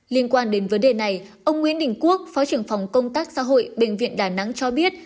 liên quan đến vấn đề này ông nguyễn đình quốc phó trưởng phòng công tác xã hội bệnh viện đà nẵng cho biết